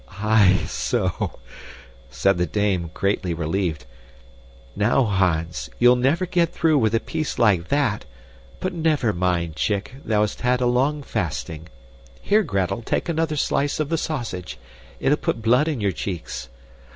"Aye, so," said the dame, greatly relieved. "Now, Hans, you'll never get through with a piece like that, but never mind, chick, thou'st had a long fasting. Here, Gretel, take another slice of the sausage. It'll put blood in your cheeks."